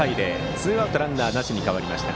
ツーアウトランナーなしに変わりました。